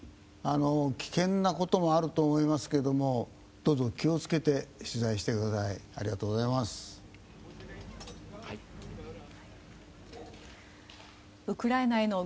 危険なこともあると思いますけれどもどうぞ、気を付けて取材してください。